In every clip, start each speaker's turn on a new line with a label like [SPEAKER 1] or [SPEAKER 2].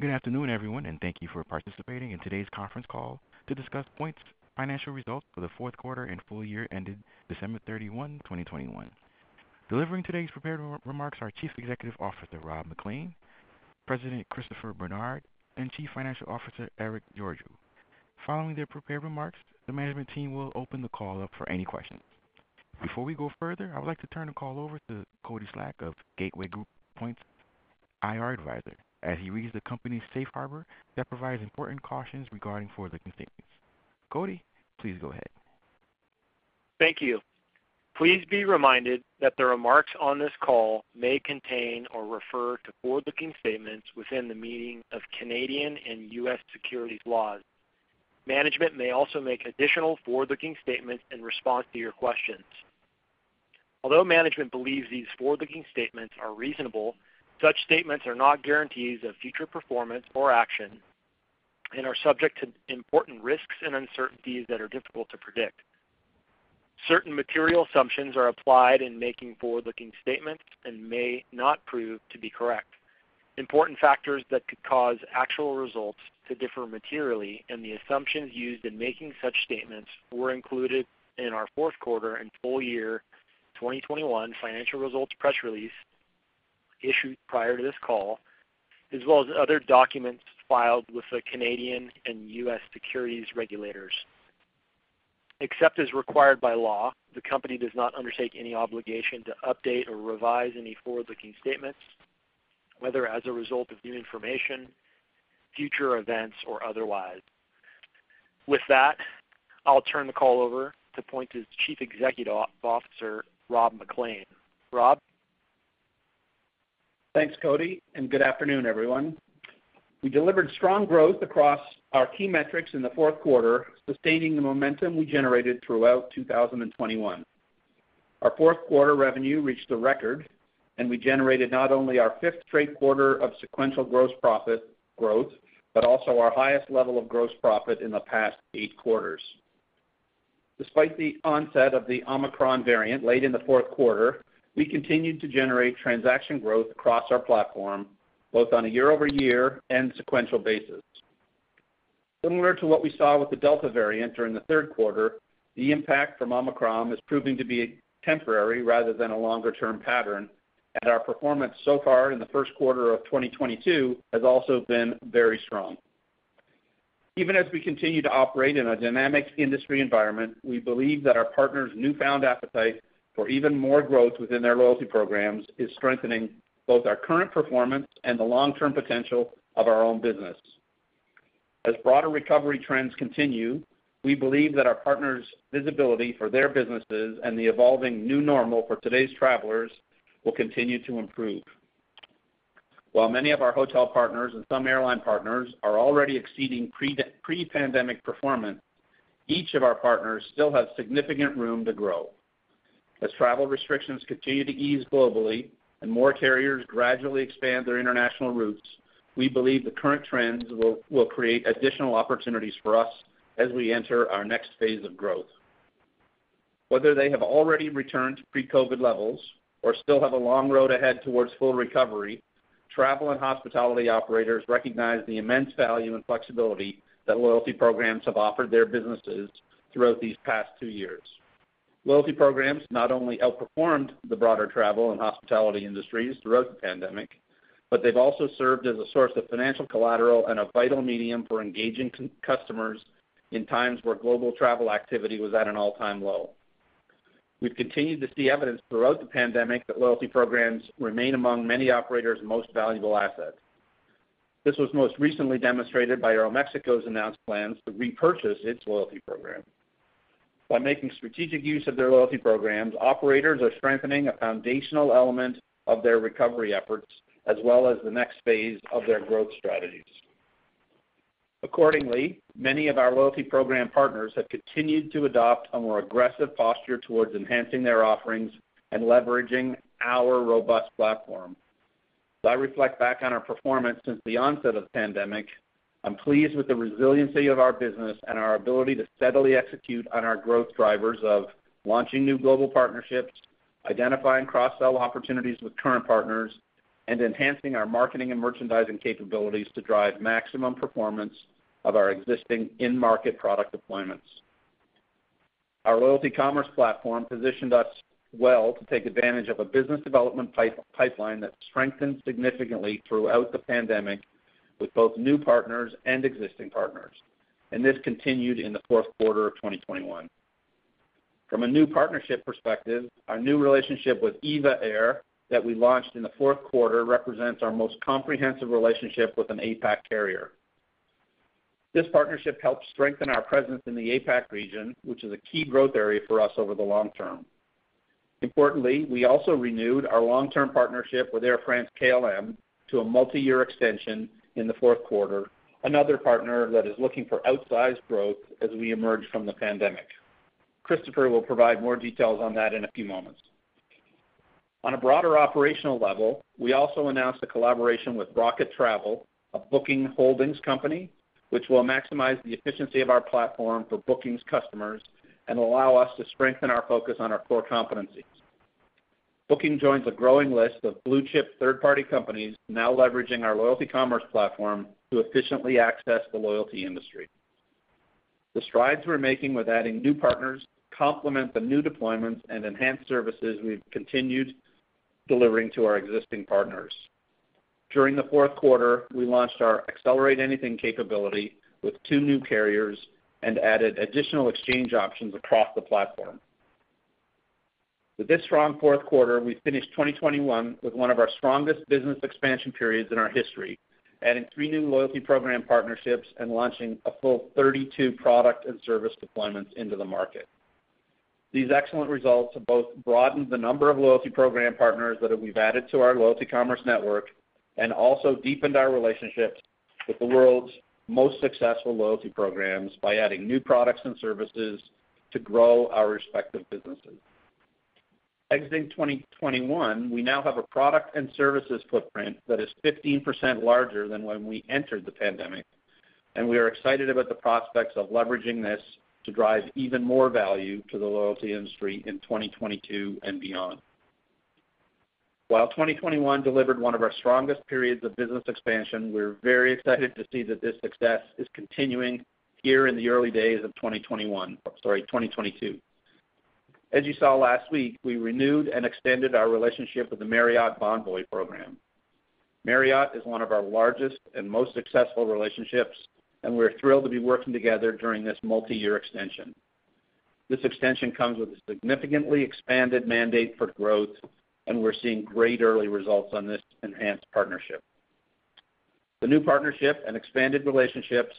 [SPEAKER 1] Good afternoon, everyone, and thank you for participating in today's conference call to discuss Points' financial results for the fourth quarter and full year ended December 31, 2021. Delivering today's prepared remarks are Chief Executive Officer Rob MacLean, President Christopher Barnard, and Chief Financial Officer Erick Georgiou. Following their prepared remarks, the management team will open the call up for any questions. Before we go further, I would like to turn the call over to Cody Slach of Gateway Group, Points IR Advisor, as he reads the company's safe harbor that provides important cautions regarding forward-looking statements. Cody, please go ahead.
[SPEAKER 2] Thank you. Please be reminded that the remarks on this call may contain or refer to forward-looking statements within the meaning of Canadian and U.S. securities laws. Management may also make additional forward-looking statements in response to your questions. Although management believes these forward-looking statements are reasonable, such statements are not guarantees of future performance or action and are subject to important risks and uncertainties that are difficult to predict. Certain material assumptions are applied in making forward-looking statements and may not prove to be correct. Important factors that could cause actual results to differ materially, and the assumptions used in making such statements were included in our fourth quarter and full year 2021 financial results press release issued prior to this call, as well as other documents filed with the Canadian and U.S. securities regulators. Except as required by law, the company does not undertake any obligation to update or revise any forward-looking statements, whether as a result of new information, future events, or otherwise. With that, I'll turn the call over to Points' Chief Executive Officer, Rob MacLean. Rob?
[SPEAKER 3] Thanks, Cody, and good afternoon, everyone. We delivered strong growth across our key metrics in the fourth quarter, sustaining the momentum we generated throughout 2021. Our fourth quarter revenue reached a record, and we generated not only our fifth straight quarter of sequential gross profit growth, but also our highest level of gross profit in the past eight quarters. Despite the onset of the Omicron variant late in the fourth quarter, we continued to generate transaction growth across our platform, both on a year-over-year and sequential basis. Similar to what we saw with the Delta variant during the third quarter, the impact from Omicron is proving to be temporary rather than a longer-term pattern, and our performance so far in the first quarter of 2022 has also been very strong. Even as we continue to operate in a dynamic industry environment, we believe that our partners' newfound appetite for even more growth within their loyalty programs is strengthening both our current performance and the long-term potential of our own business. As broader recovery trends continue, we believe that our partners' visibility for their businesses and the evolving new normal for today's travelers will continue to improve. While many of our hotel partners and some airline partners are already exceeding pre-pandemic performance, each of our partners still have significant room to grow. As travel restrictions continue to ease globally and more carriers gradually expand their international routes, we believe the current trends will create additional opportunities for us as we enter our next phase of growth. Whether they have already returned to pre-COVID levels or still have a long road ahead towards full recovery, travel and hospitality operators recognize the immense value and flexibility that loyalty programs have offered their businesses throughout these past two years. Loyalty programs not only outperformed the broader travel and hospitality industries throughout the pandemic, but they've also served as a source of financial collateral and a vital medium for engaging customers in times where global travel activity was at an all-time low. We've continued to see evidence throughout the pandemic that loyalty programs remain among many operators' most valuable assets. This was most recently demonstrated by Aeromexico's announced plans to repurchase its loyalty program. By making strategic use of their loyalty programs, operators are strengthening a foundational element of their recovery efforts, as well as the next phase of their growth strategies. Accordingly, many of our loyalty program partners have continued to adopt a more aggressive posture towards enhancing their offerings and leveraging our robust platform. As I reflect back on our performance since the onset of the pandemic, I'm pleased with the resiliency of our business and our ability to steadily execute on our growth drivers of launching new global partnerships, identifying cross-sell opportunities with current partners, and enhancing our marketing and merchandising capabilities to drive maximum performance of our existing in-market product deployments. Our loyalty commerce platform positioned us well to take advantage of a business development pipeline that strengthened significantly throughout the pandemic with both new partners and existing partners, and this continued in the fourth quarter of 2021. From a new partnership perspective, our new relationship with EVA Air that we launched in the fourth quarter represents our most comprehensive relationship with an APAC carrier. This partnership helps strengthen our presence in the APAC region, which is a key growth area for us over the long term. Importantly, we also renewed our long-term partnership with Air France-KLM to a multi-year extension in the fourth quarter, another partner that is looking for outsized growth as we emerge from the pandemic. Christopher will provide more details on that in a few moments. On a broader operational level, we also announced a collaboration with Rocket Travel, a Booking Holdings company, which will maximize the efficiency of our platform for bookings customers and allow us to strengthen our focus on our core competencies. Booking joins a growing list of blue-chip third-party companies now leveraging our loyalty commerce platform to efficiently access the loyalty industry. The strides we're making with adding new partners complement the new deployments and enhanced services we've continued delivering to our existing partners. During the fourth quarter, we launched our Accelerate Anything capability with two new carriers and added additional exchange options across the platform. With this strong fourth quarter, we finished 2021 with one of our strongest business expansion periods in our history, adding three new loyalty program partnerships and launching a full 32 product and service deployments into the market. These excellent results have both broadened the number of loyalty program partners that we've added to our loyalty commerce network and also deepened our relationships with the world's most successful loyalty programs by adding new products and services to grow our respective businesses. Exiting 2021, we now have a product and services footprint that is 15% larger than when we entered the pandemic, and we are excited about the prospects of leveraging this to drive even more value to the loyalty industry in 2022 and beyond. While 2021 delivered one of our strongest periods of business expansion, we're very excited to see that this success is continuing here in the early days of 2021, 2022. As you saw last week, we renewed and extended our relationship with the Marriott Bonvoy program. Marriott is one of our largest and most successful relationships, and we're thrilled to be working together during this multiyear extension. This extension comes with a significantly expanded mandate for growth, and we're seeing great early results on this enhanced partnership. The new partnership and expanded relationships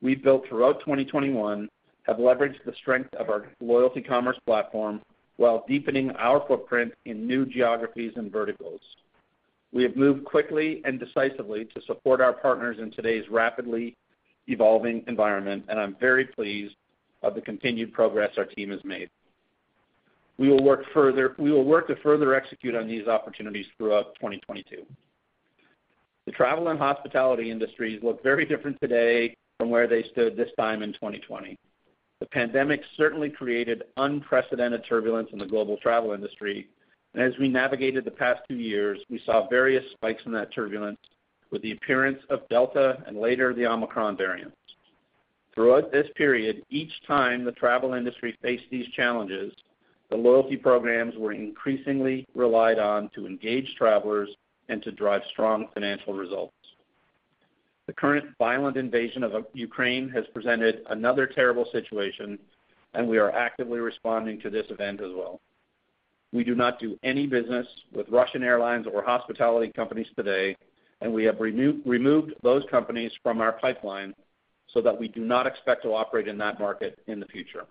[SPEAKER 3] we've built throughout 2021 have leveraged the strength of our loyalty commerce platform while deepening our footprint in new geographies and verticals. We have moved quickly and decisively to support our partners in today's rapidly evolving environment, and I'm very pleased of the continued progress our team has made. We will work to further execute on these opportunities throughout 2022. The travel and hospitality industries look very different today from where they stood this time in 2020. The pandemic certainly created unprecedented turbulence in the global travel industry, and as we navigated the past two years, we saw various spikes in that turbulence with the appearance of Delta and later the Omicron variants. Throughout this period, each time the travel industry faced these challenges, the loyalty programs were increasingly relied on to engage travelers and to drive strong financial results. The current violent invasion of Ukraine has presented another terrible situation, and we are actively responding to this event as well. We do not do any business with Russian airlines or hospitality companies today, and we have removed those companies from our pipeline so that we do not expect to operate in that market in the future.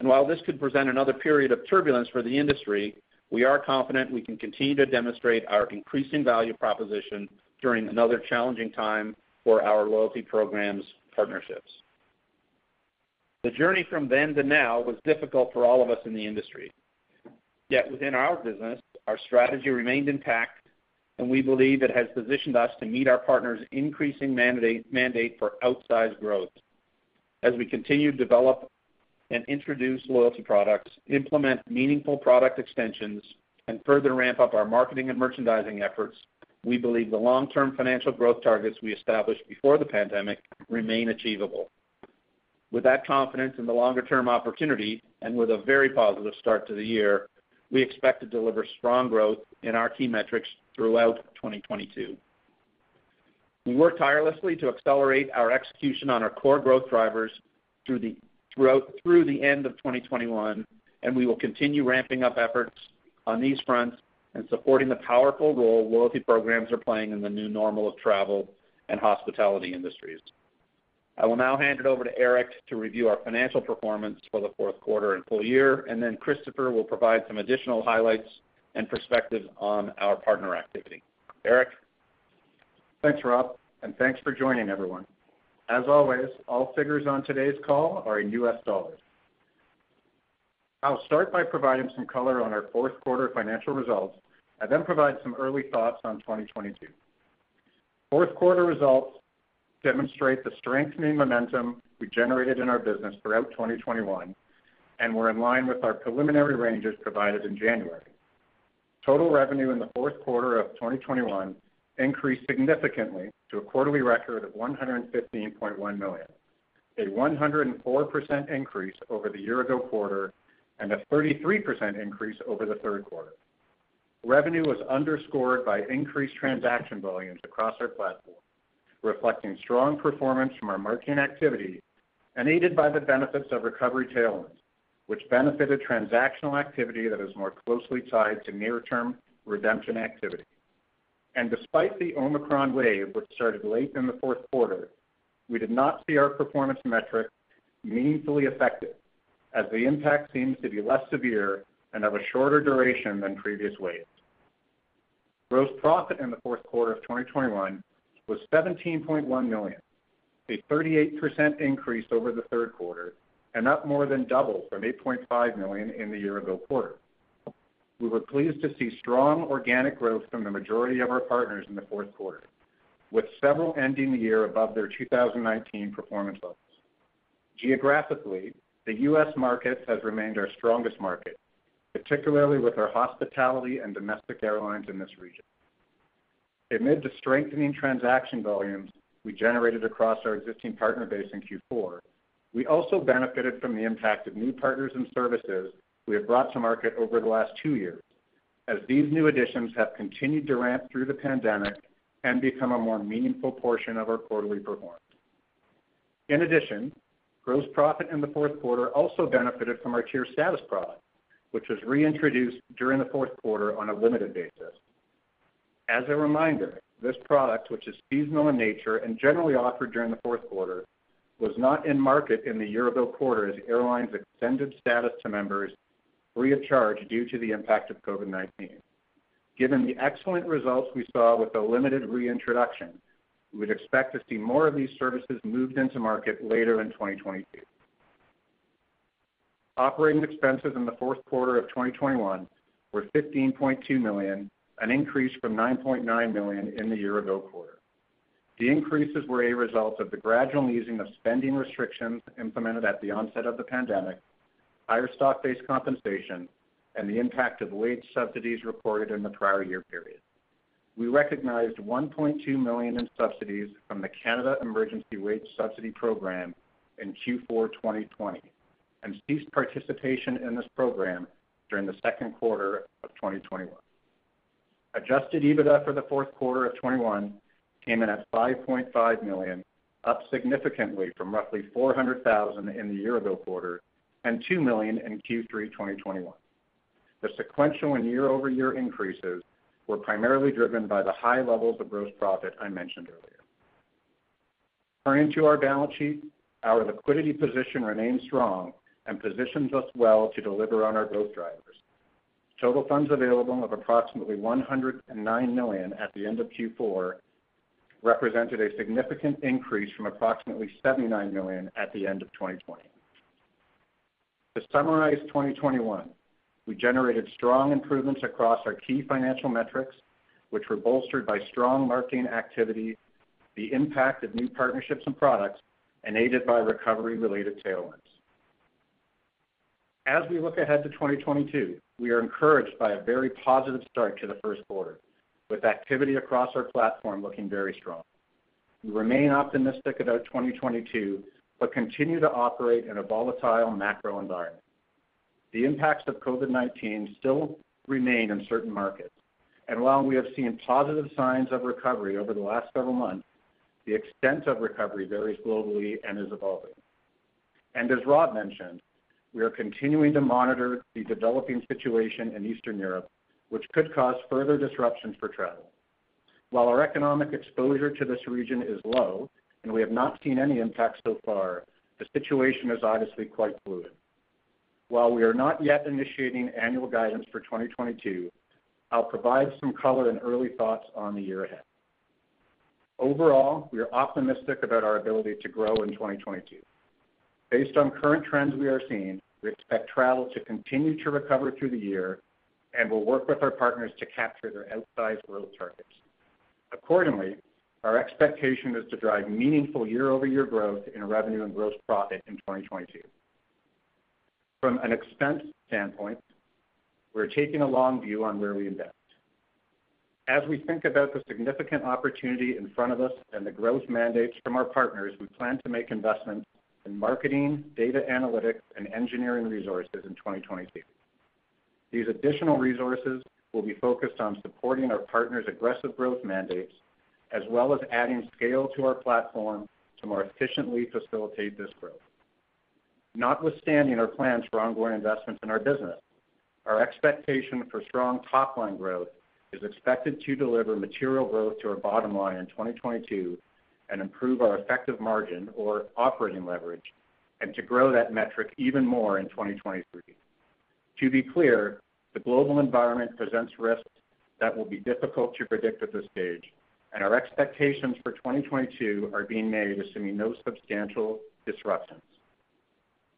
[SPEAKER 3] While this could present another period of turbulence for the industry, we are confident we can continue to demonstrate our increasing value proposition during another challenging time for our loyalty programs partnerships. The journey from then to now was difficult for all of us in the industry. Yet within our business, our strategy remained intact, and we believe it has positioned us to meet our partners' increasing mandate for outsized growth. As we continue to develop and introduce loyalty products, implement meaningful product extensions, and further ramp up our marketing and merchandising efforts, we believe the long-term financial growth targets we established before the pandemic remain achievable. With that confidence in the longer-term opportunity and with a very positive start to the year, we expect to deliver strong growth in our key metrics throughout 2022. We worked tirelessly to accelerate our execution on our core growth drivers through the end of 2021, and we will continue ramping up efforts on these fronts and supporting the powerful role loyalty programs are playing in the new normal of travel and hospitality industries. I will now hand it over to Erick to review our financial performance for the fourth quarter and full year, and then Christopher will provide some additional highlights and perspective on our partner activity. Erick?
[SPEAKER 4] Thanks, Rob, and thanks for joining, everyone. As always, all figures on today's call are in US dollars. I'll start by providing some color on our fourth quarter financial results and then provide some early thoughts on 2022. Fourth quarter results demonstrate the strengthening momentum we generated in our business throughout 2021 and were in line with our preliminary ranges provided in January. Total revenue in the fourth quarter of 2021 increased significantly to a quarterly record of $115.1 million, a 104% increase over the year-ago quarter and a 33% increase over the third quarter. Revenue was underscored by increased transaction volumes across our platform, reflecting strong performance from our marketing activity and aided by the benefits of recovery tailwinds, which benefited transactional activity that is more closely tied to near-term redemption activity. Despite the Omicron wave, which started late in the fourth quarter, we did not see our performance metrics meaningfully affected, as the impact seems to be less severe and of a shorter duration than previous waves. Gross profit in the fourth quarter of 2021 was $17.1 million, a 38% increase over the third quarter and up more than double from $8.5 million in the year-ago quarter. We were pleased to see strong organic growth from the majority of our partners in the fourth quarter, with several ending the year above their 2019 performance levels. Geographically, the U.S. market has remained our strongest market, particularly with our hospitality and domestic airlines in this region. Amid the strengthening transaction volumes we generated across our existing partner base in Q4, we also benefited from the impact of new partners and services we have brought to market over the last two years, as these new additions have continued to ramp through the pandemic and become a more meaningful portion of our quarterly performance. In addition, gross profit in the fourth quarter also benefited from our tier status product, which was reintroduced during the fourth quarter on a limited basis. As a reminder, this product, which is seasonal in nature and generally offered during the fourth quarter, was not in market in the year-ago quarter as airlines extended status to members free of charge due to the impact of COVID-19. Given the excellent results we saw with the limited reintroduction, we would expect to see more of these services moved into market later in 2022. Operating expenses in the fourth quarter of 2021 were $15.2 million, an increase from $9.9 million in the year-ago quarter. The increases were a result of the gradual easing of spending restrictions implemented at the onset of the pandemic, higher stock-based compensation, and the impact of wage subsidies reported in the prior year period. We recognized $1.2 million in subsidies from the Canada Emergency Wage Subsidy Program in Q4 2020 and ceased participation in this program during the second quarter of 2021. Adjusted EBITDA for the fourth quarter of 2021 came in at $5.5 million, up significantly from roughly $400,000 in the year-ago quarter and $2 million in Q3 2021. The sequential and year-over-year increases were primarily driven by the high levels of gross profit I mentioned earlier. Turning to our balance sheet, our liquidity position remains strong and positions us well to deliver on our growth drivers. Total funds available of approximately $109 million at the end of Q4 represented a significant increase from approximately $79 million at the end of 2020. To summarize 2021, we generated strong improvements across our key financial metrics, which were bolstered by strong marketing activity, the impact of new partnerships and products, and aided by recovery-related tailwinds. As we look ahead to 2022, we are encouraged by a very positive start to the first quarter, with activity across our platform looking very strong. We remain optimistic about 2022, but continue to operate in a volatile macro environment. The impacts of COVID-19 still remain in certain markets, and while we have seen positive signs of recovery over the last several months, the extent of recovery varies globally and is evolving. As Rob mentioned, we are continuing to monitor the developing situation in Eastern Europe, which could cause further disruptions for travel. While our economic exposure to this region is low, and we have not seen any impact so far, the situation is obviously quite fluid. While we are not yet initiating annual guidance for 2022, I'll provide some color and early thoughts on the year ahead. Overall, we are optimistic about our ability to grow in 2022. Based on current trends we are seeing, we expect travel to continue to recover through the year and will work with our partners to capture their outsized growth targets. Accordingly, our expectation is to drive meaningful year-over-year growth in revenue and gross profit in 2022. From an expense standpoint, we're taking a long view on where we invest. As we think about the significant opportunity in front of us and the growth mandates from our partners, we plan to make investments in marketing, data analytics, and engineering resources in 2022. These additional resources will be focused on supporting our partners' aggressive growth mandates, as well as adding scale to our platform to more efficiently facilitate this growth. Notwithstanding our plans for ongoing investments in our business, our expectation for strong top-line growth is expected to deliver material growth to our bottom line in 2022 and improve our effective margin or operating leverage and to grow that metric even more in 2023. To be clear, the global environment presents risks that will be difficult to predict at this stage, and our expectations for 2022 are being made assuming no substantial disruptions.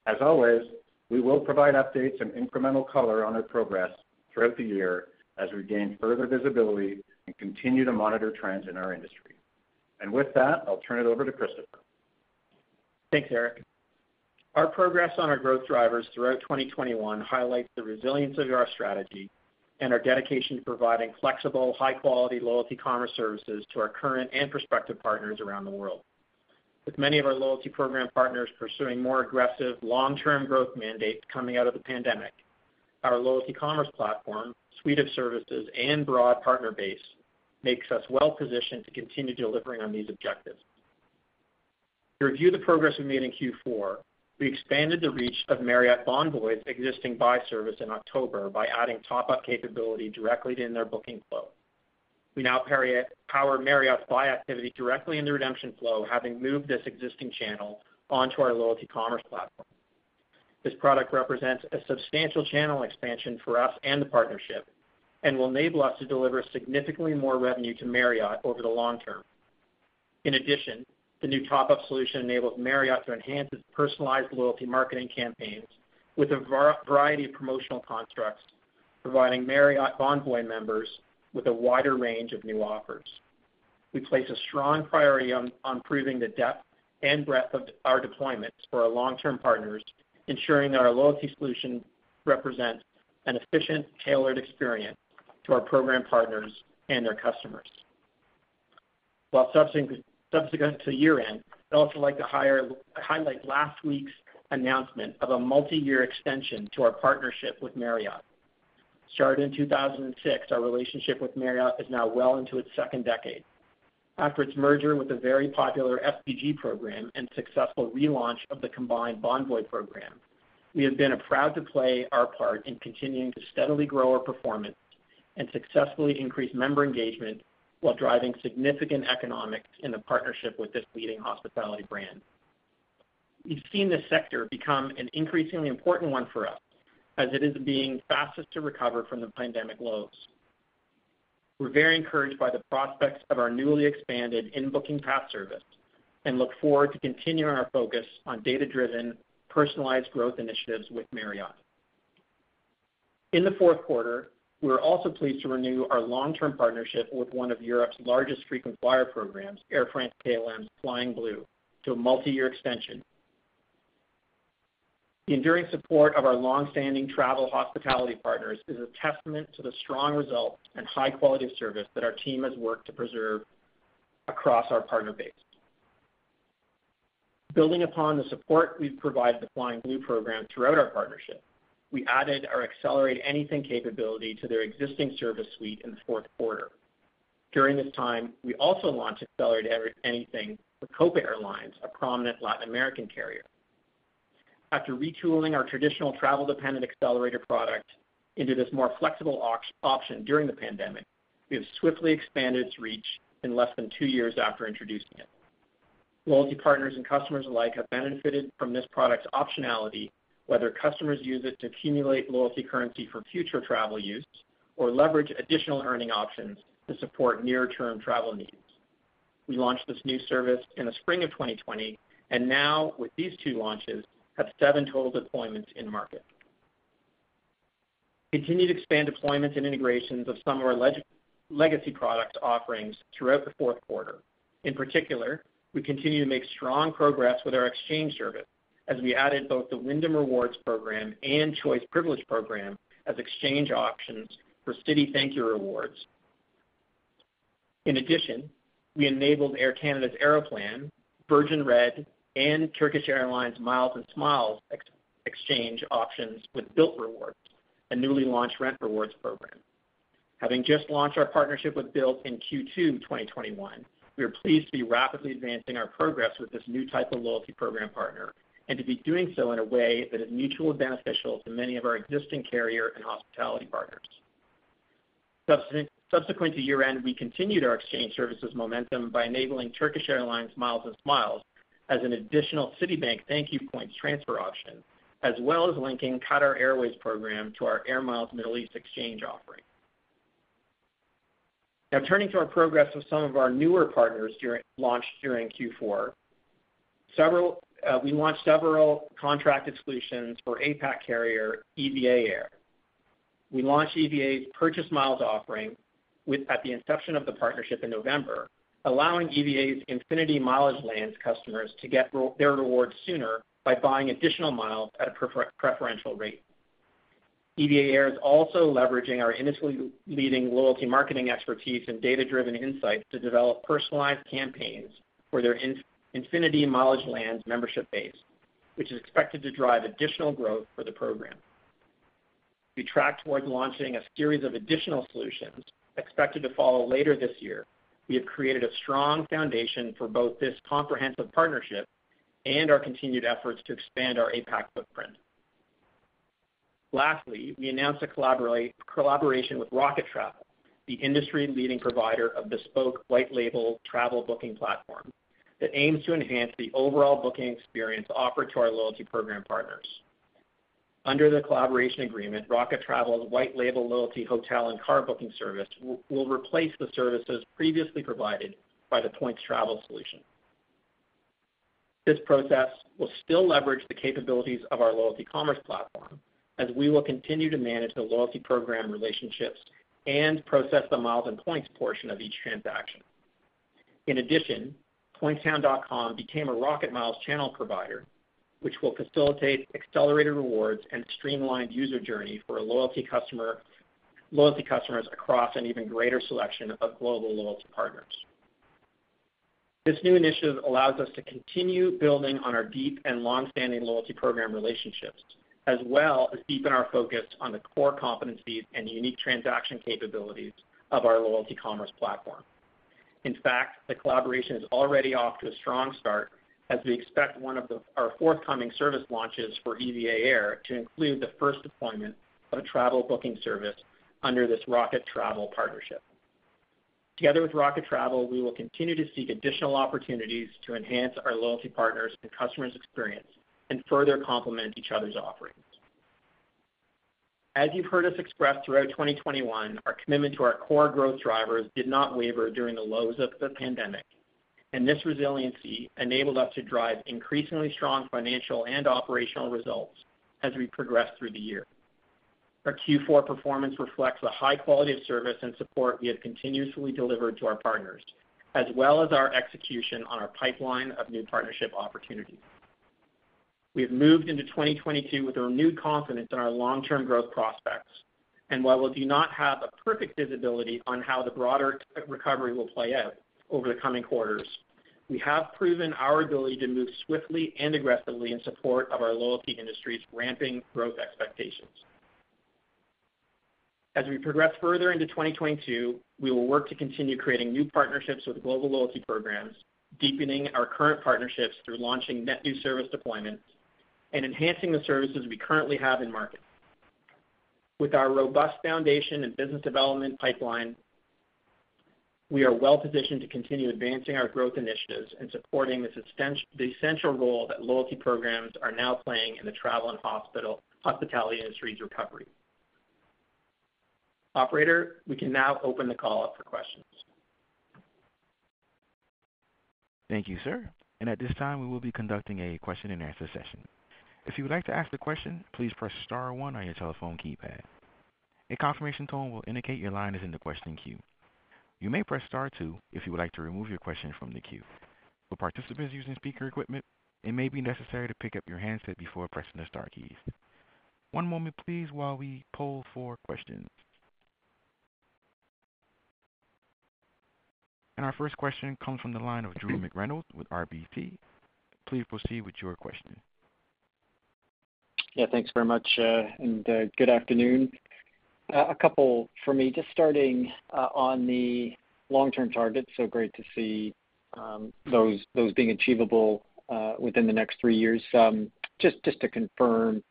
[SPEAKER 4] As always, we will provide updates and incremental color on our progress throughout the year as we gain further visibility and continue to monitor trends in our industry. With that, I'll turn it over to Christopher.
[SPEAKER 5] Thanks, Erick. Our progress on our growth drivers throughout 2021 highlights the resilience of our strategy and our dedication to providing flexible, high-quality loyalty commerce services to our current and prospective partners around the world. With many of our loyalty program partners pursuing more aggressive long-term growth mandates coming out of the pandemic, our loyalty commerce platform, suite of services, and broad partner base makes us well positioned to continue delivering on these objectives. To review the progress we made in Q4, we expanded the reach of Marriott Bonvoy's existing buy service in October by adding top-up capability directly in their booking flow. We now power Marriott's Buy activity directly in the redemption flow, having moved this existing channel onto our loyalty commerce platform. This product represents a substantial channel expansion for us and the partnership and will enable us to deliver significantly more revenue to Marriott over the long term. In addition, the new top-up solution enables Marriott to enhance its personalized loyalty marketing campaigns with a variety of promotional constructs, providing Marriott Bonvoy members with a wider range of new offers. We place a strong priority on proving the depth and breadth of our deployments for our long-term partners, ensuring that our loyalty solution represents an efficient, tailored experience to our program partners and their customers. While subsequent to year-end, I'd also like to highlight last week's announcement of a multiyear extension to our partnership with Marriott. Started in 2006, our relationship with Marriott is now well into its second decade. After its merger with a very popular SPG program and successful relaunch of the combined Bonvoy program, we have been proud to play our part in continuing to steadily grow our performance and successfully increase member engagement while driving significant economics in the partnership with this leading hospitality brand. We've seen this sector become an increasingly important one for us as it is being fastest to recover from the pandemic lows. We're very encouraged by the prospects of our newly expanded in-booking path service and look forward to continuing our focus on data-driven, personalized growth initiatives with Marriott. In the fourth quarter, we were also pleased to renew our long-term partnership with one of Europe's largest frequent flyer programs, Air France-KLM's Flying Blue, to a multiyear extension. The enduring support of our long-standing travel hospitality partners is a testament to the strong results and high quality of service that our team has worked to preserve across our partner base. Building upon the support we've provided the Flying Blue program throughout our partnership, we added our Accelerate Anything capability to their existing service suite in the fourth quarter. During this time, we also launched Accelerate Anything for Copa Airlines, a prominent Latin American carrier. After retooling our traditional travel-dependent accelerator product into this more flexible option during the pandemic, we have swiftly expanded its reach in less than two years after introducing it. Loyalty partners and customers alike have benefited from this product's optionality, whether customers use it to accumulate loyalty currency for future travel use or leverage additional earning options to support near-term travel needs. We launched this new service in the spring of 2020, and now, with these two launches, have seven total deployments in market. Continued to expand deployments and integrations of some of our legacy product offerings throughout the fourth quarter. In particular, we continue to make strong progress with our exchange service as we added both the Wyndham Rewards program and Choice Privileges program as exchange options for Citi ThankYou Rewards. In addition, we enabled Air Canada's Aeroplan, Virgin Red, and Turkish Airlines Miles&Smiles exchange options with Bilt Rewards, a newly launched rent rewards program. Having just launched our partnership with Bilt in Q2 2021, we are pleased to be rapidly advancing our progress with this new type of loyalty program partner and to be doing so in a way that is mutually beneficial to many of our existing carrier and hospitality partners. Subsequent to year-end, we continued our exchange services momentum by enabling Turkish Airlines Miles&Smiles as an additional Citi ThankYou points transfer option, as well as linking Qatar Airways program to our Air Miles Middle East exchange offering. Now turning to our progress with some of our newer partners launched during Q4. We launched several contracted solutions for APAC carrier EVA Air. We launched EVA's Purchase Miles offering at the inception of the partnership in November, allowing EVA's Infinity MileageLands customers to get their rewards sooner by buying additional miles at a preferential rate. EVA Air is also leveraging our industry-leading loyalty marketing expertise and data-driven insights to develop personalized campaigns for their Infinity MileageLands membership base, which is expected to drive additional growth for the program. We track towards launching a series of additional solutions expected to follow later this year. We have created a strong foundation for both this comprehensive partnership and our continued efforts to expand our APAC footprint. Lastly, we announced a collaboration with Rocketmiles, the industry-leading provider of bespoke white label travel booking platform that aims to enhance the overall booking experience offered to our loyalty program partners. Under the collaboration agreement, Rocketmiles's white label loyalty hotel and car booking service will replace the services previously provided by the Points Travel solution. This process will still leverage the capabilities of our loyalty commerce platform, as we will continue to manage the loyalty program relationships and process the miles and points portion of each transaction. In addition, pointshound.com became a Rocketmiles channel provider, which will facilitate accelerated rewards and streamlined user journey for loyalty customers across an even greater selection of global loyalty partners. This new initiative allows us to continue building on our deep and long-standing loyalty program relationships as well as deepen our focus on the core competencies and unique transaction capabilities of our loyalty commerce platform. In fact, the collaboration is already off to a strong start as we expect our forthcoming service launches for EVA Air to include the first deployment of a travel booking service under this Rocket Travel partnership. Together with Rocket Travel, we will continue to seek additional opportunities to enhance our loyalty partners' and customers' experience and further complement each other's offerings. As you've heard us express throughout 2021, our commitment to our core growth drivers did not waver during the lows of the pandemic, and this resiliency enabled us to drive increasingly strong financial and operational results as we progressed through the year. Our Q4 performance reflects the high quality of service and support we have continuously delivered to our partners, as well as our execution on our pipeline of new partnership opportunities. We have moved into 2022 with a renewed confidence in our long-term growth prospects. While we do not have a perfect visibility on how the broader recovery will play out over the coming quarters, we have proven our ability to move swiftly and aggressively in support of our loyalty industry's ramping growth expectations. As we progress further into 2022, we will work to continue creating new partnerships with global loyalty programs, deepening our current partnerships through launching net new service deployments and enhancing the services we currently have in market. With our robust foundation and business development pipeline, we are well positioned to continue advancing our growth initiatives and supporting the essential role that loyalty programs are now playing in the travel and hospitality industry's recovery. Operator, we can now open the call up for questions.
[SPEAKER 1] Thank you, sir. At this time, we will be conducting a question-and-answer session. If you would like to ask the question, please press star one on your telephone keypad. A confirmation tone will indicate your line is in the question queue. You may press star two if you would like to remove your question from the queue. For participants using speaker equipment, it may be necessary to pick up your handset before pressing the star keys. One moment please while we poll for questions. Our first question comes from the line of Drew McReynolds with RBC. Please proceed with your question.
[SPEAKER 6] Yeah, thanks very much, and good afternoon. A couple for me. Just starting on the long-term targets, so great to see those being achievable within the next three years. Just to confirm,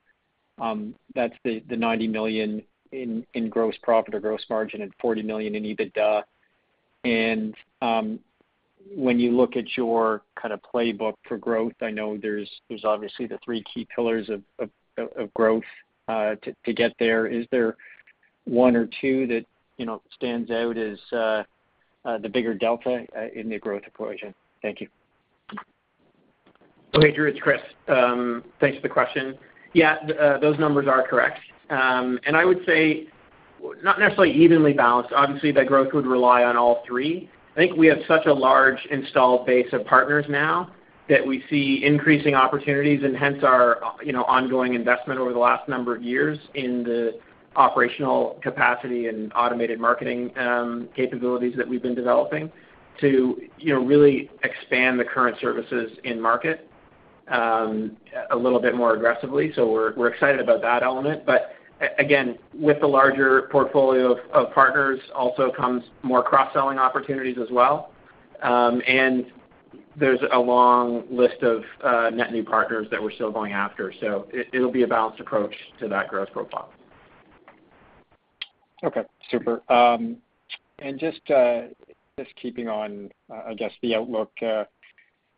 [SPEAKER 6] that's the $90 million in gross profit or gross margin and $40 million in EBITDA. When you look at your kind of playbook for growth, I know there's obviously the three key pillars of growth to get there. Is there one or two that, you know, stands out as the bigger delta in the growth equation? Thank you.
[SPEAKER 5] Hey, Drew, it's Chris. Thanks for the question. Yeah, those numbers are correct. I would say not necessarily evenly balanced. Obviously, the growth would rely on all three. I think we have such a large installed base of partners now that we see increasing opportunities and hence our you know ongoing investment over the last number of years in the operational capacity and automated marketing capabilities that we've been developing to you know really expand the current services in market a little bit more aggressively. We're excited about that element. Again, with the larger portfolio of partners also comes more cross-selling opportunities as well. There's a long list of net new partners that we're still going after. It'll be a balanced approach to that growth profile.
[SPEAKER 6] Okay, super. Just keeping on, I guess the outlook,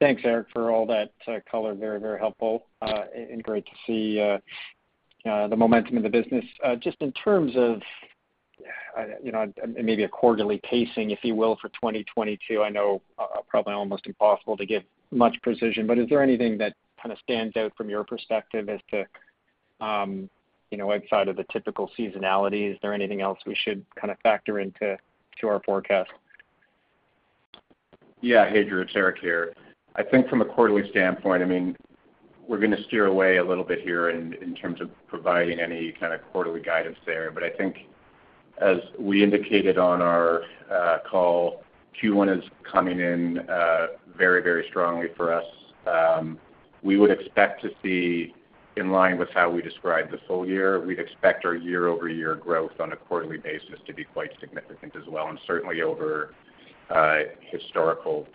[SPEAKER 6] thanks, Eric, for all that color, very, very helpful, and great to see the momentum of the business. Just in terms of, you know, maybe a quarterly pacing, if you will, for 2022, I know probably almost impossible to give much precision, but is there anything that kind of stands out from your perspective as to, you know, outside of the typical seasonality, is there anything else we should kind of factor into our forecast?
[SPEAKER 4] Yeah. Hey, Drew, it's Erick here. I think from a quarterly standpoint, I mean, we're gonna steer away a little bit here in terms of providing any kind of quarterly guidance there. I think as we indicated on our call, Q1 is coming in very, very strongly for us. We would expect to see in line with how we describe the full year, we'd expect our year-over-year growth on a quarterly basis to be quite significant as well, and certainly over historical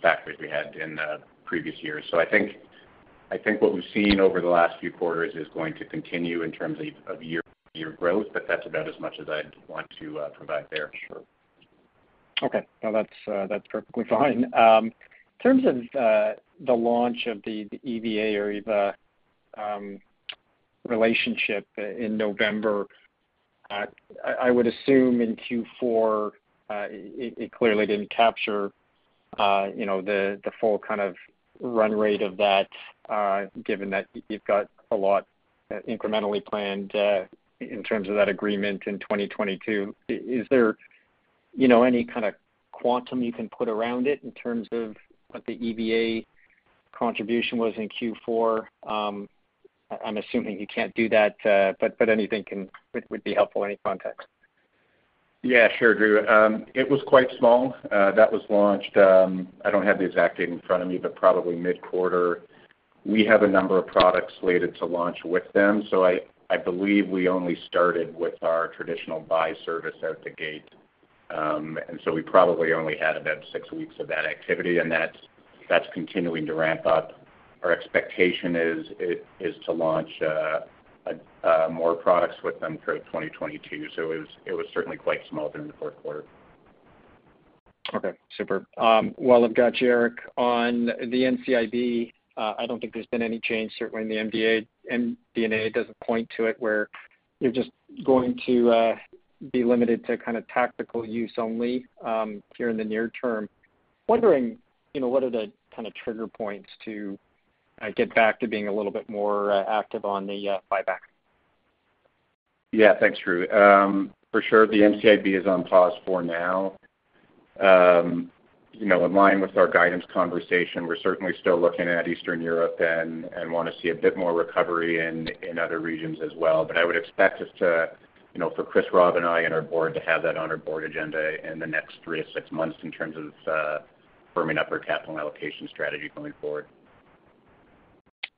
[SPEAKER 4] factors we had in the previous years. I think what we've seen over the last few quarters is going to continue in terms of year-over-year growth, but that's about as much as I'd want to provide there.
[SPEAKER 6] Sure. Okay. No, that's perfectly fine. In terms of the launch of the EVA relationship in November, I would assume in Q4, it clearly didn't capture you know the full kind of run rate of that, given that you've got a lot incrementally planned in terms of that agreement in 2022. Is there you know any kind of quantum you can put around it in terms of what the EVA contribution was in Q4? I'm assuming you can't do that, but anything would be helpful, any context.
[SPEAKER 4] Yeah, sure, Drew. It was quite small. That was launched. I don't have the exact date in front of me, but probably mid-quarter. We have a number of products slated to launch with them. I believe we only started with our traditional buy service out the gate. We probably only had about six weeks of that activity, and that's continuing to ramp up. Our expectation is to launch more products with them through 2022. It was certainly quite small during the fourth quarter.
[SPEAKER 6] Okay, super. While I've got you, Eric, on the NCIB, I don't think there's been any change, certainly in the MD&A doesn't point to it, where you're just going to be limited to kind of tactical use only here in the near term. Wondering, you know, what are the kind of trigger points to get back to being a little bit more active on the buyback?
[SPEAKER 4] Yeah. Thanks, Drew. For sure, the NCIB is on pause for now. You know, in line with our guidance conversation, we're certainly still looking at Eastern Europe and wanna see a bit more recovery in other regions as well. I would expect us to, you know, for Chris, Rob, and I, and our board to have that on our board agenda in the next three to six months in terms of firming up our capital allocation strategy going forward.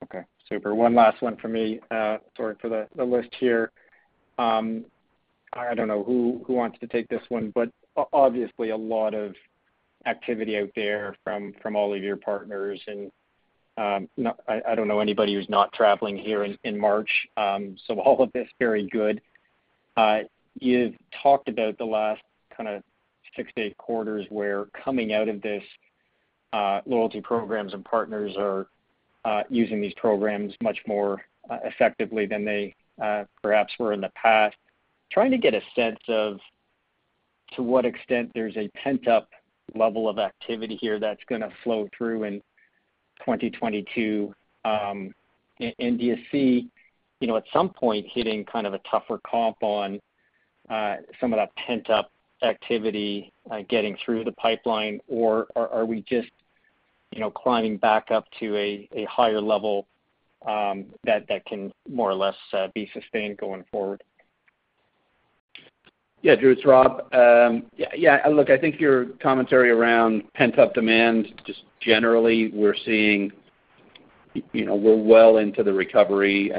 [SPEAKER 6] Okay. Super. One last one for me. Sorry for the list here. I don't know who wants to take this one, but obviously, a lot of activity out there from all of your partners and I don't know anybody who's not traveling here in March. All of this very good. You've talked about the last kind of six to eight quarters where coming out of this, loyalty programs and partners are using these programs much more effectively than they perhaps were in the past. Trying to get a sense of to what extent there's a pent-up level of activity here that's gonna flow through in 2022. Do you see, you know, at some point hitting kind of a tougher comp on some of that pent-up activity getting through the pipeline, or are we just, you know, climbing back up to a higher level that can more or less be sustained going forward?
[SPEAKER 3] Yeah, Drew, it's Rob. Yeah. Look, I think your commentary around pent-up demand, just generally, we're seeing, you know, we're well into the recovery.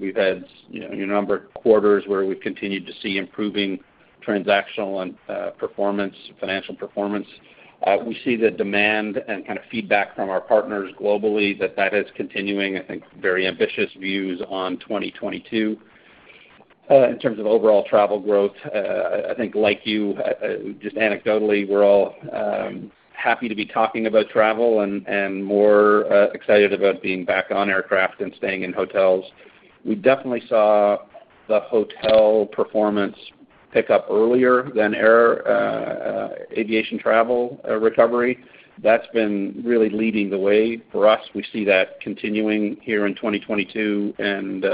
[SPEAKER 3] We've had, you know, a number of quarters where we've continued to see improving transactional and financial performance. We see the demand and kind of feedback from our partners globally that that is continuing. I think very ambitious views on 2022. In terms of overall travel growth, I think like you, just anecdotally, we're all happy to be talking about travel and more excited about being back on aircraft and staying in hotels. We definitely saw the hotel performance pick up earlier than aviation travel recovery. That's been really leading the way for us. We see that continuing here in 2022 and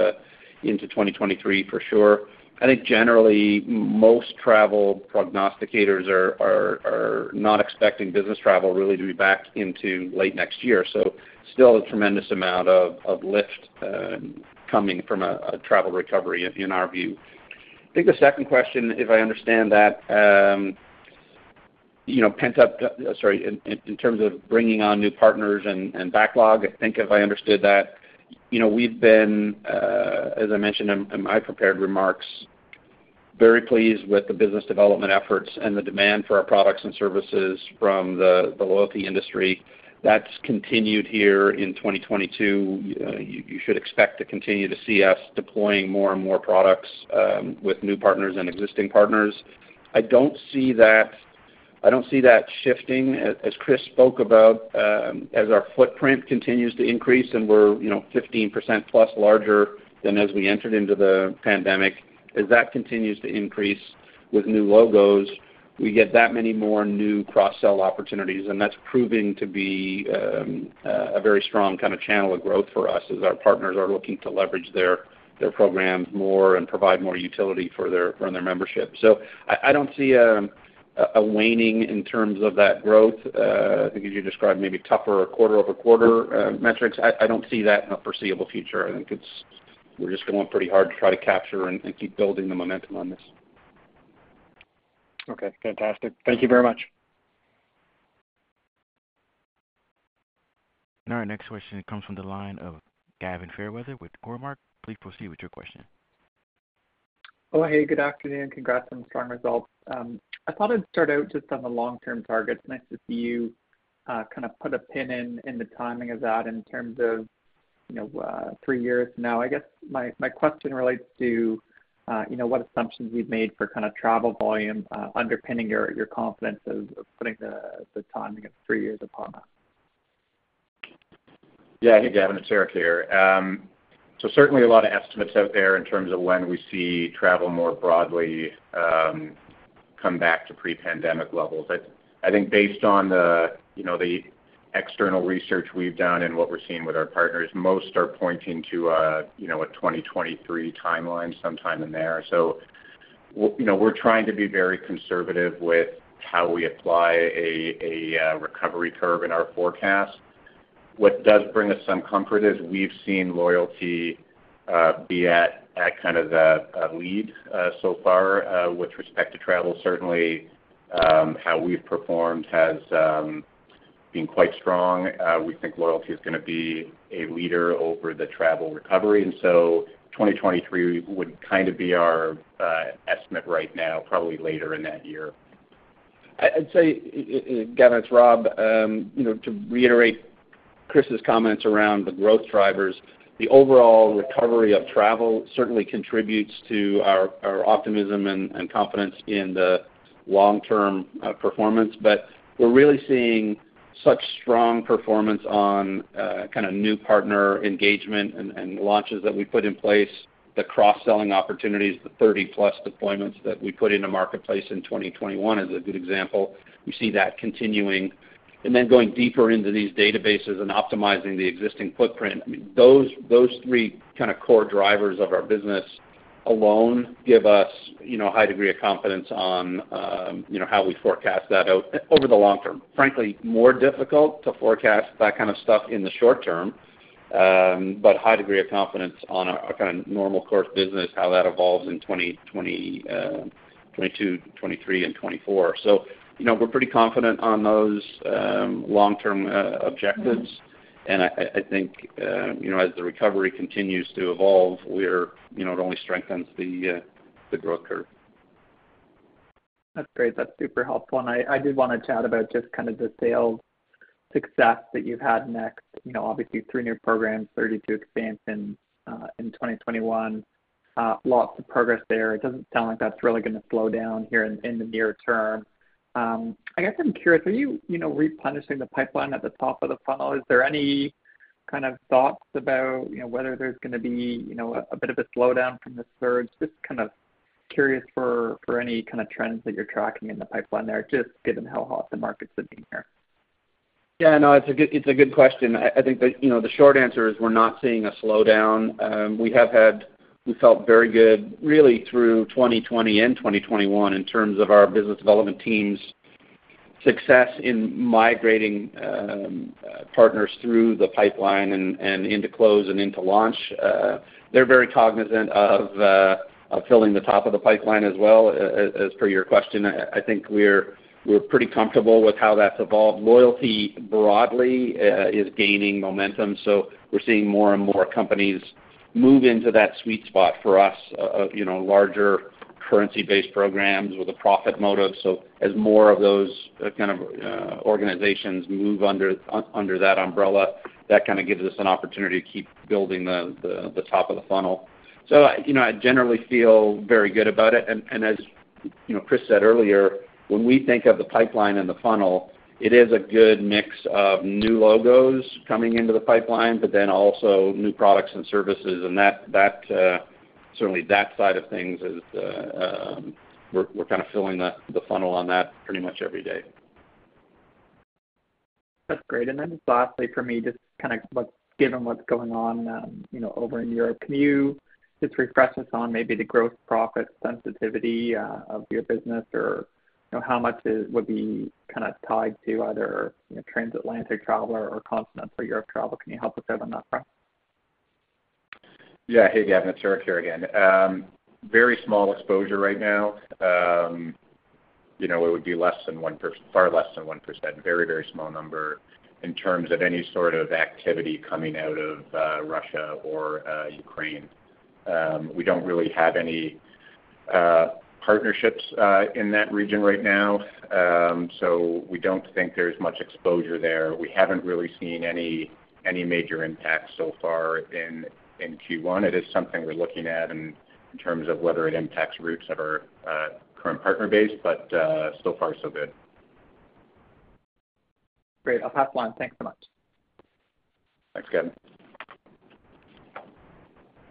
[SPEAKER 3] into 2023 for sure. I think generally, most travel prognosticators are not expecting business travel really to be back until late next year. Still a tremendous amount of lift coming from a travel recovery in our view. I think the second question, if I understand that, in terms of bringing on new partners and backlog, I think if I understood that, we've been, as I mentioned in my prepared remarks, very pleased with the business development efforts and the demand for our products and services from the loyalty industry. That's continued here in 2022. You should expect to continue to see us deploying more and more products with new partners and existing partners. I don't see that shifting. As Chris spoke about, as our footprint continues to increase and we're, you know, 15% plus larger than as we entered into the pandemic, as that continues to increase with new logos, we get that many more new cross-sell opportunities, and that's proving to be a very strong kind of channel of growth for us as our partners are looking to leverage their programs more and provide more utility for their membership. I don't see a waning in terms of that growth. I think as you described, maybe tougher quarter-over-quarter metrics. I don't see that in the foreseeable future. I think we're just going pretty hard to try to capture and keep building the momentum on this.
[SPEAKER 6] Okay, fantastic. Thank you very much.
[SPEAKER 1] Now our next question comes from the line of Gavin Fairweather with Cormark. Please proceed with your question.
[SPEAKER 7] Oh, hey, good afternoon. Congrats on the strong results. I thought I'd start out just on the long-term targets. Nice to see you kind of put a pin in the timing of that in terms of, you know, three years from now. I guess my question relates to, you know, what assumptions you've made for kind of travel volume underpinning your confidence of putting the timing of three years upon that.
[SPEAKER 4] Yeah. Hey, Gavin, it's Erick here. So certainly a lot of estimates out there in terms of when we see travel more broadly come back to pre-pandemic levels. I think based on the external research we've done and what we're seeing with our partners, most are pointing to a 2023 timeline, sometime in there. You know, we're trying to be very conservative with how we apply a recovery curve in our forecast. What does bring us some comfort is we've seen loyalty be at kind of the lead so far with respect to travel. Certainly, how we've performed has been quite strong. We think loyalty is gonna be a leader over the travel recovery, and so 2023 would kind of be our estimate right now, probably later in that year.
[SPEAKER 3] I'd say, Gavin, it's Rob. You know, to reiterate Chris' comments around the growth drivers, the overall recovery of travel certainly contributes to our optimism and confidence in the long-term performance. We're really seeing such strong performance on kind of new partner engagement and launches that we put in place, the cross-selling opportunities, the 30+ deployments that we put into marketplace in 2021 is a good example. We see that continuing. Then going deeper into these databases and optimizing the existing footprint, those three kind of core drivers of our business alone give us, you know, a high degree of confidence on, you know, how we forecast that out over the long term. Frankly, more difficult to forecast that kind of stuff in the short term, but high degree of confidence on a kind of normal course business, how that evolves in 2020, 2022, 2023 and 2024. You know, we're pretty confident on those long-term objectives. I think, you know, as the recovery continues to evolve, we're, you know, it only strengthens the growth curve.
[SPEAKER 7] That's great. That's super helpful. I did want to chat about just kind of the sales success that you've had next. You know, obviously, three new programs, 32 expansions, in 2021, lots of progress there. It doesn't sound like that's really gonna slow down here in the near term. I guess I'm curious, are you replenishing the pipeline at the top of the funnel? Is there any kind of thoughts about whether there's gonna be a bit of a slowdown from this surge? Just kind of curious for any kind of trends that you're tracking in the pipeline there, just given how hot the market's been here.
[SPEAKER 3] Yeah, no, it's a good question. I think you know the short answer is we're not seeing a slowdown. We felt very good really through 2020 and 2021 in terms of our business development team's success in migrating partners through the pipeline and into close and into launch. They're very cognizant of filling the top of the pipeline as well, as per your question. I think we're pretty comfortable with how that's evolved. Loyalty broadly is gaining momentum, so we're seeing more and more companies move into that sweet spot for us of you know larger currency-based programs with a profit motive. As more of those kind of organizations move under that umbrella, that kind of gives us an opportunity to keep building the top of the funnel. You know, I generally feel very good about it. As you know, Chris said earlier, when we think of the pipeline and the funnel, it is a good mix of new logos coming into the pipeline, but then also new products and services. That certainly that side of things is, we're kind of filling the funnel on that pretty much every day.
[SPEAKER 7] That's great. Just lastly for me, just kind of given what's going on, you know, over in Europe, can you just refresh us on maybe the growth profit sensitivity of your business or, you know, how much would be kind of tied to either, you know, transatlantic travel or continental Europe travel? Can you help with that on that front?
[SPEAKER 4] Yeah. Hey, Gavin, it's Erick here again. Very small exposure right now. You know, it would be less than 1%, far less than 1%. Very, very small number in terms of any sort of activity coming out of Russia or Ukraine. We don't really have any partnerships in that region right now. So we don't think there's much exposure there. We haven't really seen any major impact so far in Q1. It is something we're looking at in terms of whether it impacts routes of our current partner base, but so far so good.
[SPEAKER 7] Great. I'll pass the line. Thanks so much
[SPEAKER 4] Thanks, Gavin.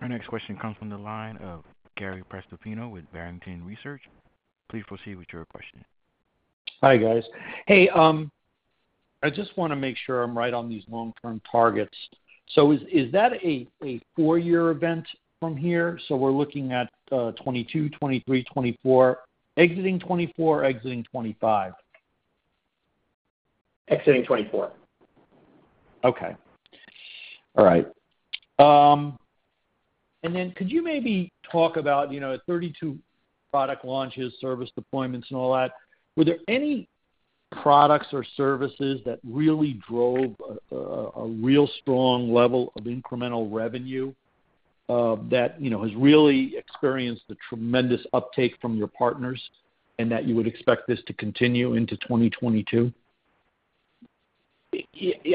[SPEAKER 1] Our next question comes from the line of Gary Prestopino with Barrington Research. Please proceed with your question.
[SPEAKER 8] Hi, guys. Hey, I just wanna make sure I'm right on these long-term targets. Is that a four-year event from here? We're looking at 2022, 2023, 2024, exiting 2024 or exiting 2025?
[SPEAKER 3] Exiting 2024.
[SPEAKER 8] Okay. All right. Could you maybe talk about, you know, 32 product launches, service deployments and all that? Were there any products or services that really drove a real strong level of incremental revenue, that, you know, has really experienced the tremendous uptake from your partners and that you would expect this to continue into 2022?
[SPEAKER 3] Yeah,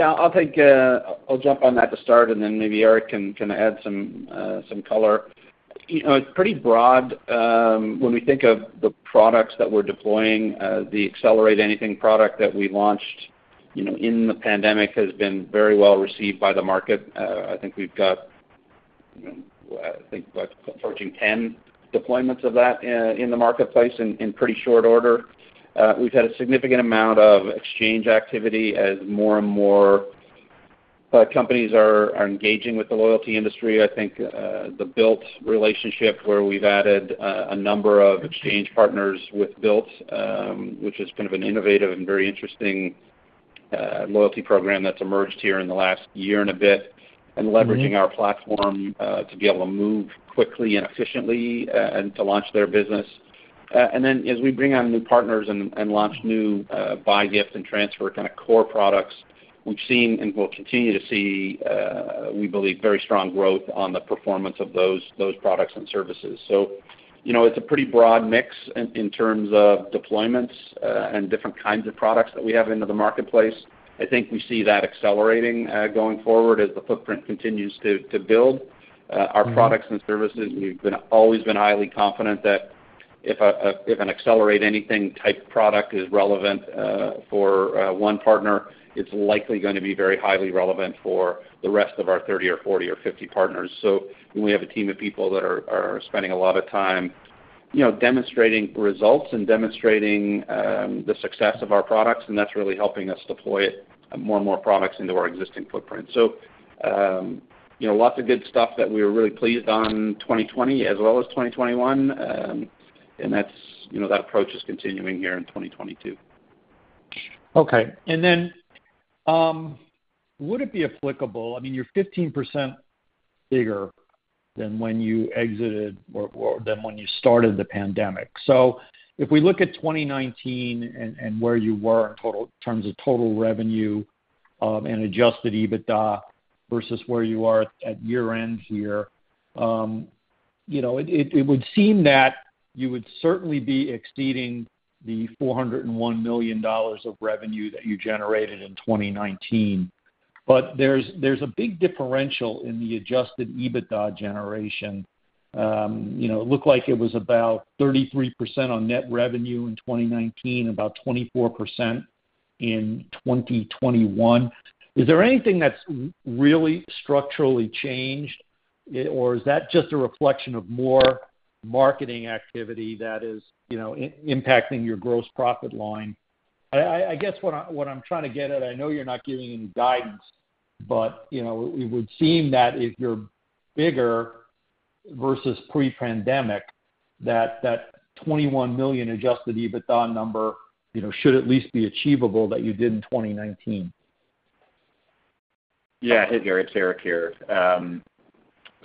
[SPEAKER 3] I'll take, I'll jump on that to start, and then maybe Erick can add some color. You know, it's pretty broad, when we think of the products that we're deploying, the Accelerate Anything product that we launched, you know, in the pandemic has been very well received by the market. I think we've got, you know, I think, what, approaching 10 deployments of that, in the marketplace in pretty short order. We've had a significant amount of exchange activity as more and more companies are engaging with the loyalty industry. I think the Bilt relationship where we've added a number of exchange partners with Bilt, which is kind of an innovative and very interesting loyalty program that's emerged here in the last year and a bit, and leveraging our platform to be able to move quickly and efficiently and to launch their business. And then as we bring on new partners and launch new buy gift and transfer kind of core products, we've seen and will continue to see, we believe very strong growth on the performance of those products and services. You know, it's a pretty broad mix in terms of deployments and different kinds of products that we have into the marketplace. I think we see that accelerating going forward as the footprint continues to build our products and services. We've always been highly confident that if an Accelerate Anything-type product is relevant for one partner, it's likely gonna be very highly relevant for the rest of our 30 or 40 or 50 partners. We have a team of people that are spending a lot of time, you know, demonstrating results and demonstrating the success of our products, and that's really helping us deploy more and more products into our existing footprint. You know, lots of good stuff that we were really pleased on 2020 as well as 2021. That approach is continuing here in 2022.
[SPEAKER 8] Okay. Would it be applicable? I mean, you're 15% bigger than when you exited or than when you started the pandemic. If we look at 2019 and where you were in total terms of total revenue, and adjusted EBITDA versus where you are at year-end here, you know, it would seem that you would certainly be exceeding the $401 million of revenue that you generated in 2019. There's a big differential in the adjusted EBITDA generation. You know, it looked like it was about 33% on net revenue in 2019, about 24% in 2021. Is there anything that's really structurally changed, or is that just a reflection of more marketing activity that is, you know, impacting your gross profit line? I guess what I'm trying to get at. I know you're not giving any guidance, but you know, it would seem that if you're bigger versus pre-pandemic that $21 million adjusted EBITDA number, you know, should at least be achievable that you did in 2019.
[SPEAKER 4] Yeah. Hey, Gary, it's Erick here.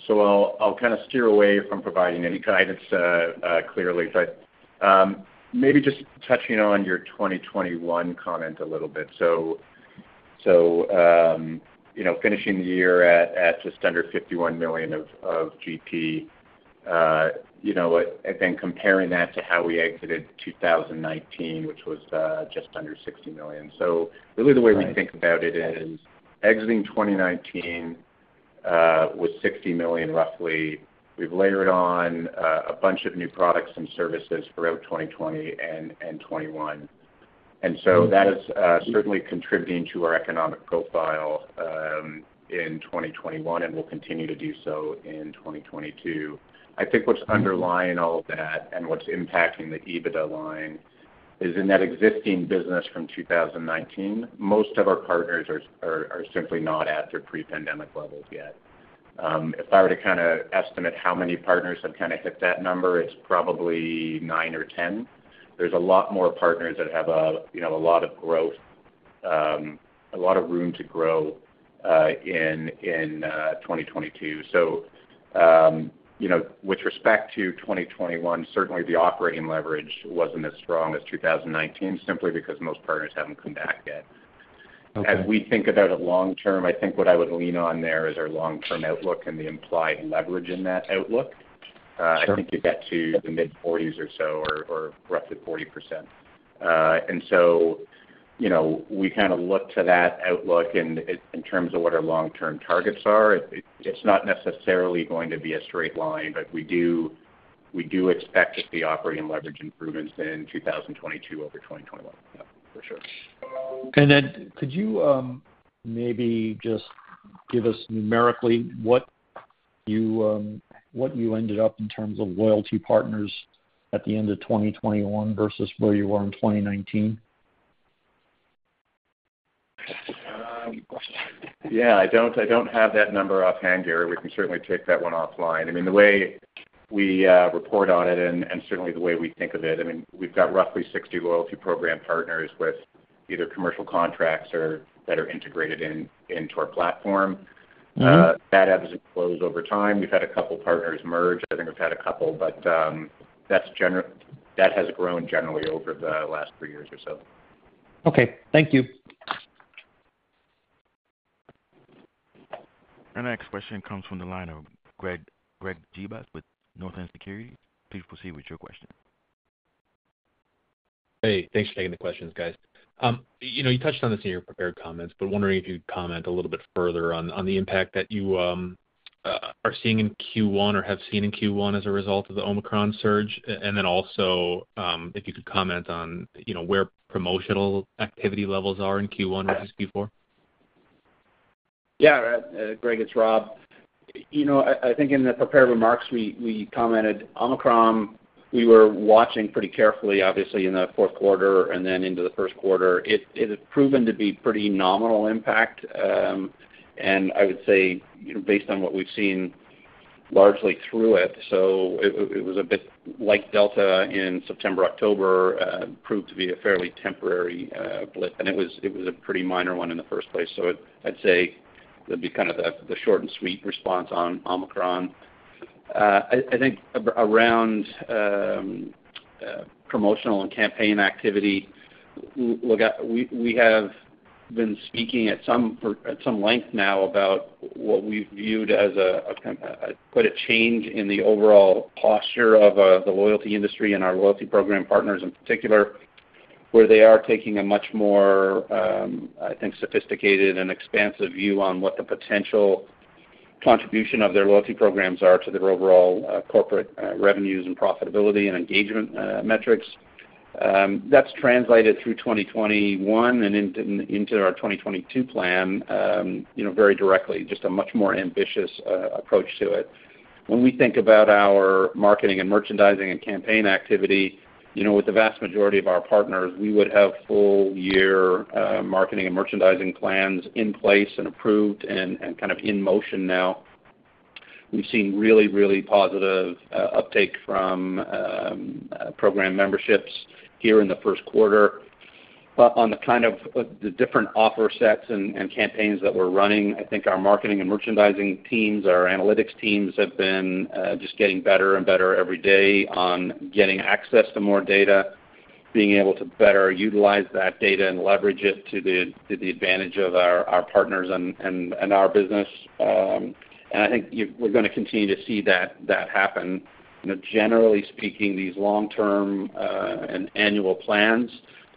[SPEAKER 4] I'll kind of steer away from providing any guidance clearly, but maybe just touching on your 2021 comment a little bit. You know, finishing the year at just under $51 million of GP, and then comparing that to how we exited 2019, which was just under $60 million. Really the way we think about it is exiting 2019 with $60 million roughly. We've layered on a bunch of new products and services throughout 2020 and 2021. That is certainly contributing to our economic profile in 2021, and will continue to do so in 2022. I think what's underlying all of that and what's impacting the EBITDA line is in that existing business from 2019, most of our partners are simply not at their pre-pandemic levels yet. If I were to kinda estimate how many partners have kinda hit that number, it's probably nine or 10. There's a lot more partners that have, you know, a lot of growth, a lot of room to grow, in 2022. You know, with respect to 2021, certainly the operating leverage wasn't as strong as 2019 simply because most partners haven't come back yet.
[SPEAKER 8] Okay.
[SPEAKER 4] As we think about it long term, I think what I would lean on there is our long-term outlook and the implied leverage in that outlook.
[SPEAKER 8] Sure.
[SPEAKER 4] I think you get to the mid-40s or so or roughly 40%. You know, we kinda look to that outlook in terms of what our long-term targets are. It's not necessarily going to be a straight line, but we do expect to see operating leverage improvements in 2022 over 2021. Yeah. For sure.
[SPEAKER 8] Could you maybe just give us numerically what you ended up in terms of loyalty partners at the end of 2021 versus where you were in 2019?
[SPEAKER 4] Yeah, I don't have that number offhand, Gary. We can certainly take that one offline. I mean, the way we report on it and certainly the way we think of it, I mean, we've got roughly 60 loyalty program partners with either commercial contracts or that are integrated into our platform.
[SPEAKER 8] Mm-hmm.
[SPEAKER 4] That ebbs and flows over time. We've had a couple partners merge. I think we've had a couple, but that has grown generally over the last three years or so.
[SPEAKER 8] Okay. Thank you.
[SPEAKER 1] Our next question comes from the line of Greg Gibas with Northland Securities. Please proceed with your question.
[SPEAKER 9] Hey, thanks for taking the questions, guys. You know, you touched on this in your prepared comments, but wondering if you'd comment a little bit further on the impact that you are seeing in Q1 or have seen in Q1 as a result of the Omicron surge. Then also, if you could comment on, you know, where promotional activity levels are in Q1 versus Q4.
[SPEAKER 3] Yeah. Greg, it's Rob. You know, I think in the prepared remarks, we commented on Omicron. We were watching it pretty carefully, obviously in the fourth quarter and then into the first quarter. It has proven to be pretty nominal impact. I would say, you know, based on what we've seen largely through it, so it was a bit like Delta in September, October, proved to be a fairly temporary blip, and it was a pretty minor one in the first place. So I'd say that'd be kind of the short and sweet response on Omicron. I think around promotional and campaign activity, we have been speaking at some length now about what we've viewed as a kind of quite a change in the overall posture of the loyalty industry and our loyalty program partners in particular, where they are taking a much more I think sophisticated and expansive view on what the potential Contribution of their loyalty programs are to their overall corporate revenues and profitability and engagement metrics. That's translated through 2021 and into our 2022 plan, you know, very directly, just a much more ambitious approach to it. When we think about our marketing and merchandising and campaign activity, you know, with the vast majority of our partners, we would have full year marketing and merchandising plans in place and approved and kind of in motion now. We've seen really, really positive uptake from program memberships here in the first quarter. On the kind of the different offer sets and campaigns that we're running, I think our marketing and merchandising teams, our analytics teams have been just getting better and better every day on getting access to more data, being able to better utilize that data and leverage it to the advantage of our partners and our business. I think we're gonna continue to see that happen. You know, generally speaking, these long-term and annual plans,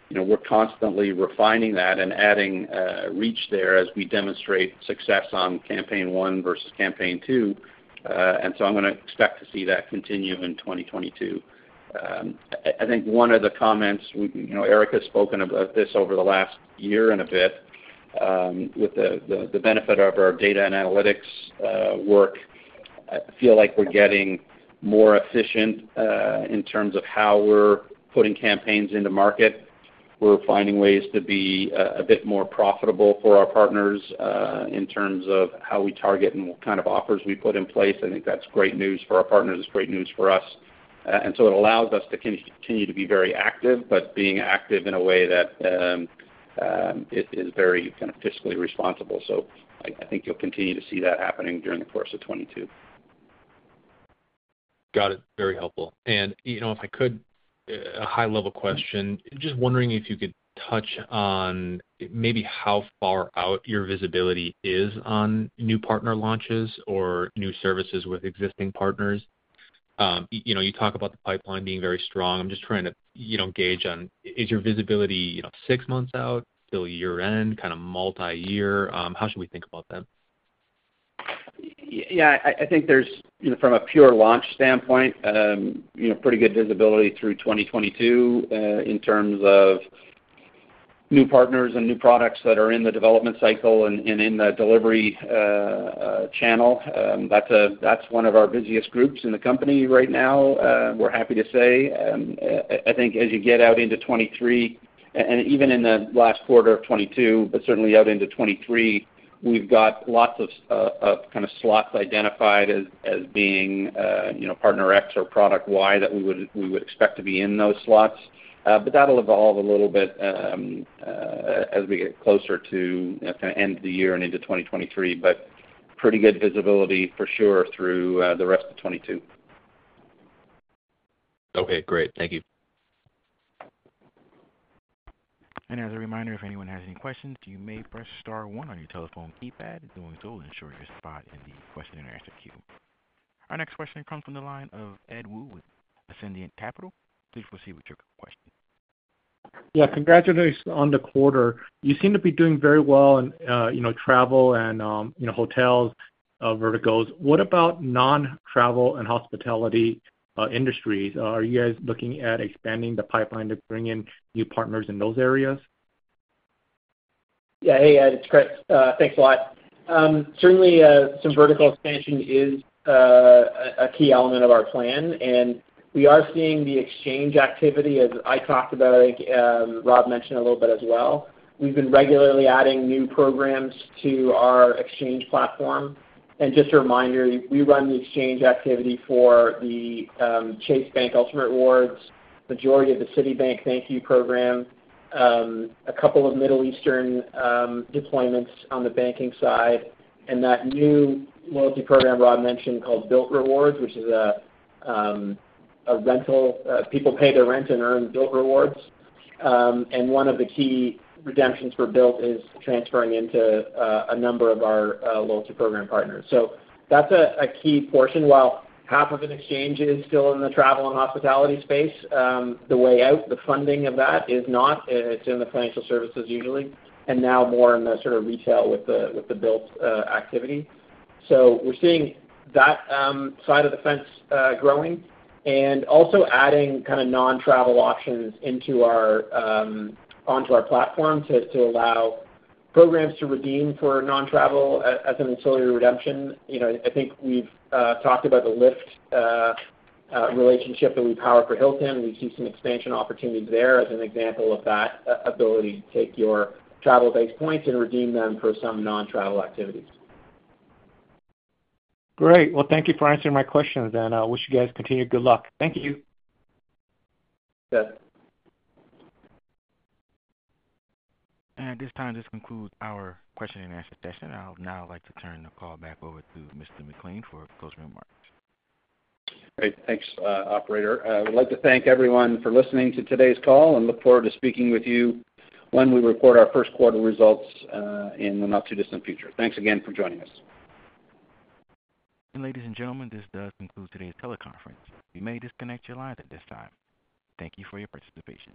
[SPEAKER 3] you know, we're constantly refining that and adding reach there as we demonstrate success on campaign one versus campaign two. I'm gonna expect to see that continue in 2022. I think one of the comments, you know, Erick has spoken about this over the last year and a bit, with the benefit of our data and analytics work. I feel like we're getting more efficient in terms of how we're putting campaigns into market. We're finding ways to be a bit more profitable for our partners in terms of how we target and what kind of offers we put in place. I think that's great news for our partners. It's great news for us. It allows us to continue to be very active, but being active in a way that is very kind of fiscally responsible. I think you'll continue to see that happening during the course of 2022.
[SPEAKER 9] Got it. Very helpful. You know, if I could, a high-level question, just wondering if you could touch on maybe how far out your visibility is on new partner launches or new services with existing partners. You know, you talk about the pipeline being very strong. I'm just trying to, you know, gauge on is your visibility, you know, six months out, till year-end, kind of multi-year? How should we think about that?
[SPEAKER 3] Yeah, I think there's, you know, from a pure launch standpoint, pretty good visibility through 2022, in terms of new partners and new products that are in the development cycle and in the delivery channel. That's one of our busiest groups in the company right now, we're happy to say. I think as you get out into 2023 and even in the last quarter of 2022, but certainly out into 2023, we've got lots of kind of slots identified as being, you know, partner X or product Y that we would expect to be in those slots. That'll evolve a little bit as we get closer to kind of end of the year and into 2023, but pretty good visibility for sure through the rest of 2022.
[SPEAKER 9] Okay, great. Thank you.
[SPEAKER 1] As a reminder, if anyone has any questions, you may press star one on your telephone keypad. Doing so will ensure your spot in the question and answer queue. Our next question comes from the line of Ed Woo with Ascendiant Capital Markets. Please proceed with your question.
[SPEAKER 10] Yeah. Congratulations on the quarter. You seem to be doing very well in you know travel and you know hotels verticals. What about non-travel and hospitality industries? Are you guys looking at expanding the pipeline to bring in new partners in those areas?
[SPEAKER 5] Hey, Ed, it's Chris. Thanks a lot. Certainly, some vertical expansion is a key element of our plan, and we are seeing the exchange activity as I talked about. I think Rob mentioned a little bit as well. We've been regularly adding new programs to our exchange platform. Just a reminder, we run the exchange activity for the Chase Ultimate Rewards, majority of the Citi ThankYou program, a couple of Middle Eastern deployments on the banking side, and that new loyalty program Rob mentioned called Bilt Rewards, which is a rental. People pay their rent and earn Bilt Rewards. One of the key redemptions for Bilt is transferring into a number of our loyalty program partners. That's a key portion. While half of an exchange is still in the travel and hospitality space, the way out, the funding of that is not. It's in the financial services usually, and now more in the sort of retail with the Bilt activity. We're seeing that side of the fence growing and also adding kind of non-travel options onto our platform to allow programs to redeem for non-travel as an ancillary redemption. You know, I think we've talked about the Lyft relationship that we power for Hilton. We see some expansion opportunities there as an example of that ability to take your travel-based points and redeem them for some non-travel activities.
[SPEAKER 10] Great. Well, thank you for answering my questions, and I wish you guys continued good luck.
[SPEAKER 5] Thank you.
[SPEAKER 3] Yes.
[SPEAKER 1] At this time, this concludes our question and answer session. I would now like to turn the call back over to Mr. MacLean for closing remarks.
[SPEAKER 3] Great. Thanks, operator. I would like to thank everyone for listening to today's call and look forward to speaking with you when we report our first quarter results, in the not too distant future. Thanks again for joining us.
[SPEAKER 1] Ladies and gentlemen, this does conclude today's teleconference. You may disconnect your lines at this time. Thank you for your participation.